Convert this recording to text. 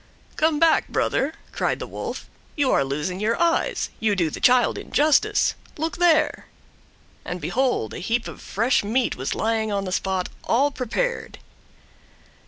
"Come back brother," cried the Wolf. "You are losing your eyes. You do the child injustice. Look there!" and behold a heap of fresh meat was lying on the spot, all prepared.